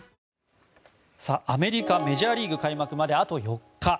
アメリカメジャーリーグ開幕まであと４日。